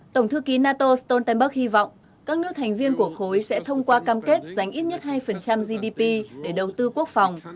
tổng thư ký nato stoltenberg hy vọng các nước thành viên của khối sẽ thông qua cam kết dành ít nhất hai gdp để đầu tư quốc phòng